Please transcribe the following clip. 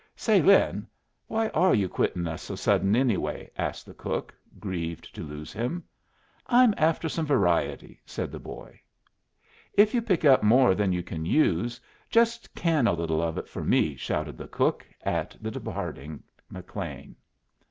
"Say, Lin, why are you quittin' us so sudden, anyway?" asked the cook, grieved to lose him. "I'm after some variety," said the boy. "If you pick up more than you can use, just can a little of it for me!" shouted the cook at the departing McLean.